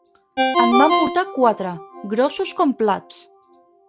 En van portar quatre, grossos com plats.